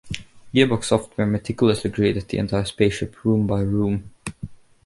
Gearbox Software meticulously created the entire spaceship room-by-room.